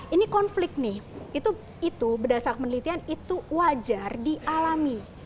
ini konflik nih itu berdasar penelitian itu wajar dialami